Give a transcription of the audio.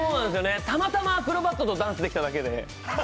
たまたまアクロバットとダンスできただけで。